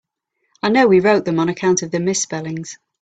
I know he wrote them on account of the misspellings.